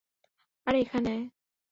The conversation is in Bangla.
আরে এখানে আয়।